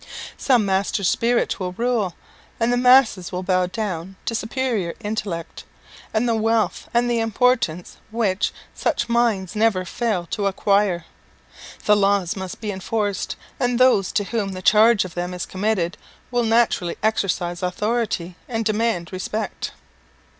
Some master spirit will rule, and the masses will bow down to superior intellect, and the wealth and importance which such minds never fail to acquire. The laws must be enforced, and those to whom the charge of them is committed will naturally exercise authority, and demand respect.